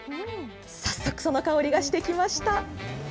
早速、その香りがしてきました。